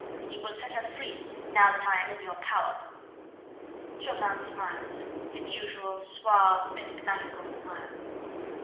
You will set her free now that I am in your power." Chauvelin smiled, his usual suave, enigmatical smile.